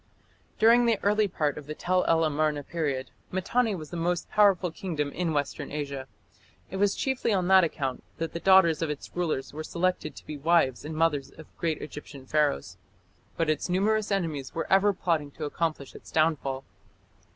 During the early part of the Tell el Amarna period, Mitanni was the most powerful kingdom in Western Asia. It was chiefly on that account that the daughters of its rulers were selected to be the wives and mothers of great Egyptian Pharaohs. But its numerous enemies were ever plotting to accomplish its downfall.